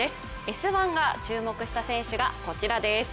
「Ｓ☆１」が注目した選手がこちらです。